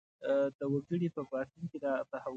د وګړي په باطن کې دا تحول دی.